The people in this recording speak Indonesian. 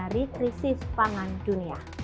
dari krisis pangan dunia